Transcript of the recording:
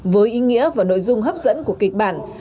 với ý nghĩa và nội dung hấp dẫn của kịch bản